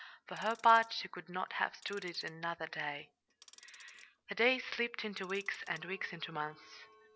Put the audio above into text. For her part, she could not have stood it another day. The days slipped into weeks, and the weeks into months.